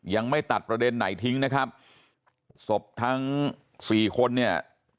ยังไม่ตัดประเด็นไหนทิ้งนะครับศพทั้งสี่คนเนี่ย